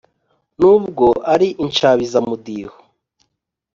N'ubwo ari inshabizamudiho.